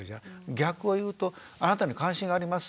逆を言うとあなたに関心があります